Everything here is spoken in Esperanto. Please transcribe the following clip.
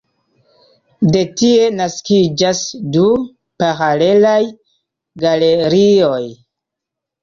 De tie naskiĝas du paralelaj galerioj.